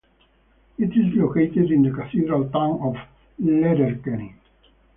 It is located in the Cathedral Town of Letterkenny.